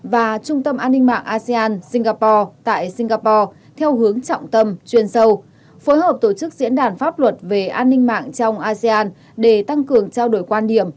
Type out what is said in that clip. và trung tâm an ninh mạng asean singapore tại singapore theo hướng trọng tâm chuyên sâu phối hợp tổ chức diễn đàn pháp luật về an ninh mạng trong asean để tăng cường trao đổi quan điểm